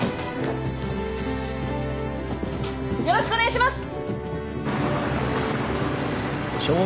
よろしくお願いします。